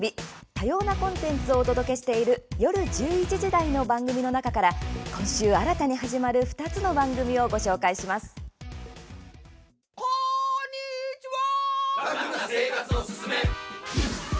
多様なコンテンツをお届けしている夜１１時台の番組の中から今週、新たに始まるこんにちは。